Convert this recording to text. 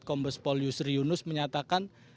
kombes polius riunus menyatakan